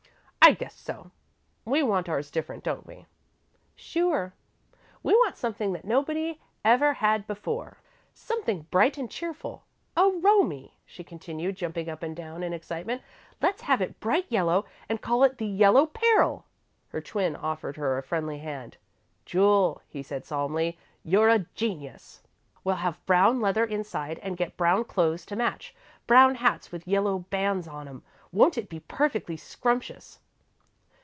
"I guess so. We want ours different, don't we?" "Sure. We want something that nobody ever had before something bright and cheerful. Oh, Romie," she continued, jumping up and down in excitement, "let's have it bright yellow and call it 'The Yellow Peril'!" Her twin offered her a friendly hand. "Jule," he said solemnly, "you're a genius!" "We'll have brown leather inside, and get brown clothes to match. Brown hats with yellow bands on 'em won't it be perfectly scrumptious?"